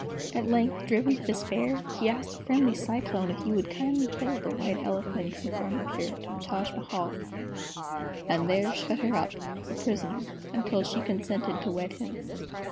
At length, driven to despair, he asked a friendly Cyclone if he would kindly blow the White Elephant from Amrapure to the Taj Mahal, and there shut her up, a prisoner, until she consented to wed him.